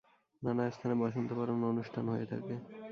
নানা স্থানে বসন্ত বরণ অনুষ্ঠান হয়ে থাকে।